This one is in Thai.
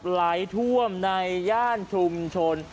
ไหลท่วมในย่านชุมชน